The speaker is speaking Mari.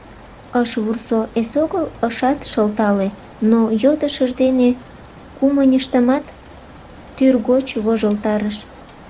Ыш вурсо, эсогыл ышат шылтале, но йодышыж дене кумыньыштымат тӱргоч вожылтарыш.